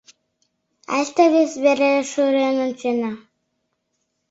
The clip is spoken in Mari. — Айста вес вере шӱрен ончена.